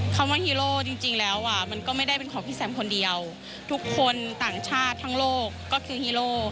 คำว่าฮีโร่จริงแล้วอ่ะมันก็ไม่ได้เป็นของพี่แซมคนเดียวทุกคนต่างชาติทั้งโลกก็คือฮีโร่